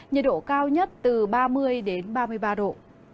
nhiệt độ cao nhất từ ba mươi đến ba mươi ba độ